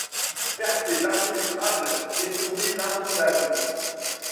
Percer l’impénétrable et sonder l’insondable